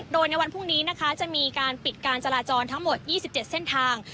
โดยในวันพรุ่งนี้นะคะจะมีการปิดการจราจรทั้งหมด๒๗เส้นทาง